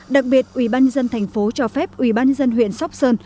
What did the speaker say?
đặc biệt ủy ban nhân thành phố cho phép ủy ban nhân huyện sóc sơn